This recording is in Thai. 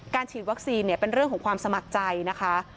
ฉีดวัคซีนเป็นเรื่องของความสมัครใจนะคะ